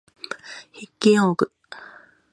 筆記用具